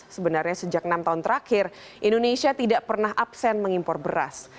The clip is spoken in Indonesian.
sebenarnya sejak enam tahun terakhir indonesia tidak pernah absen mengimpor beras